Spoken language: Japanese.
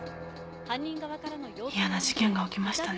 嫌な事件が起きましたね。